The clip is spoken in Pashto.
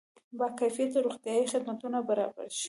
با کیفیته روغتیایي خدمتونه برابر شي.